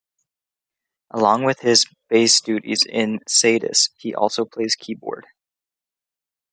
Along with his bass duties in Sadus he also plays keyboards.